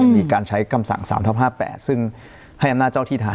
มีการใช้คำสั่ง๓ทับ๕๘ซึ่งให้อำนาจเจ้าที่ทาง